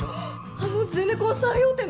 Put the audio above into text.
あのゼネコン最大手の！？